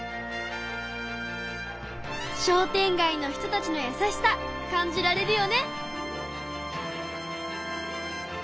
商店街の人たちのやさしさ感じられるよね。